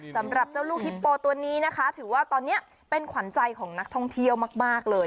สำหรับเจ้าลูกฮิปโปตัวนี้นะคะถือว่าตอนนี้เป็นขวัญใจของนักท่องเที่ยวมากเลย